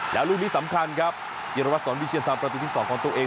แล้วลูกนี้สำคัญครับจิรวัตรสอนวิเชียนทำประตูที่๒ของตัวเอง